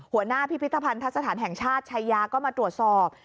หัวหน้าพิพิธภัณฑ์ทัศน์แห่งชาติชายาก็มาตรวจสอบ